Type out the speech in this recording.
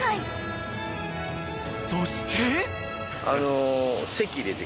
［そして］